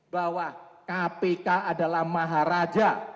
bahwa kpk adalah maharaja